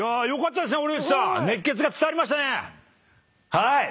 はい。